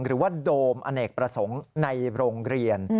หรือว่าโดมอเนกประสงค์ในโรงเรียน